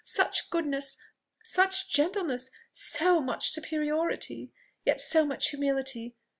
Such goodness, such gentleness, so much superiority, yet so much humility!